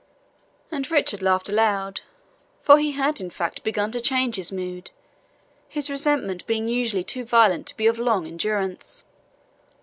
And Richard laughed aloud; for he had, in fact, begun to change his mood, his resentment being usually too violent to be of long endurance.